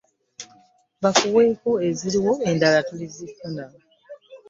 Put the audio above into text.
Bakuweeko eziriwo endala tulizifuna.